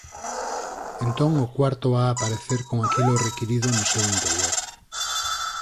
Entón o cuarto ha aparecer con aquilo requirido no seu interior.